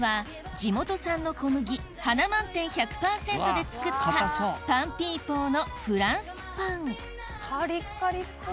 地元産の小麦ハナマンテン１００％で作ったパンピーポーのフランスパンカリカリっぽい。